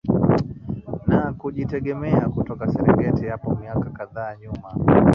na kujitegemea kutoka Serengeti hapo miaka kadhaa nyuma